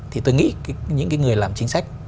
thì tôi nghĩ những người làm chính sách